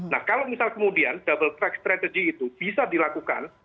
nah kalau misal kemudian double track strategy itu bisa dilakukan